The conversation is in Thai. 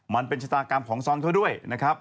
มันเป็นชะตากรรมของซอนเขาด้วยนะครับ